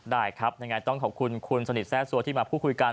ได้ครับยังไงต้องขอบคุณคุณสนิทแร่ซัวที่มาพูดคุยกัน